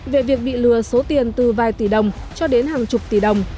về việc bị lừa số tiền từ vài tỷ đồng cho đến hàng chục tỷ đồng